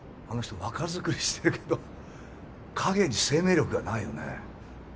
あの人若作りしてるけど影に生命力がないよね。